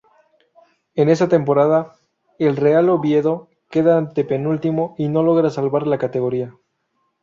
En esa temporada, el Real Oviedo queda antepenúltimo y no logra salvar la categoría.